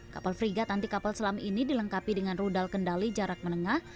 kapal frigat anti kapal selam ini dilengkapi dengan rudal kendali jarak menengah